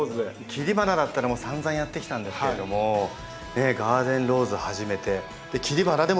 切り花だったらさんざんやってきたんですけれどもガーデンローズを始めて切り花でも楽しめるということなので。